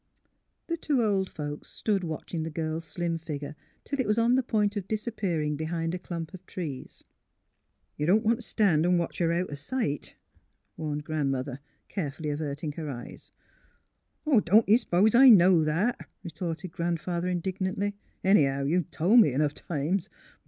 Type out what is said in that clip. The two old folks stood watching the girl's slim figure till it was on the point of disappearing be hind a clump of trees. '' Y'u don' want t' stand an' watch her out o' sight," warned Grandmother, carefully averting her eyes. ^' Don't ye s'pose I know that? " retorted Grandfather, indignantly. Anyhow, you've tol' me 'nough times.